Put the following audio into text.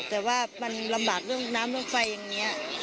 แต่ว่ามันลำบากเรื่องน้ำเรื่องไฟอย่างนี้